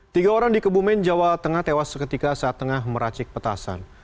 tiga orang di kebumen jawa tengah tewas seketika saat tengah meracik petasan